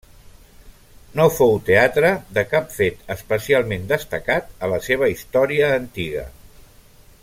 No fou teatre de cap fet especialment destacat a la seva història antiga.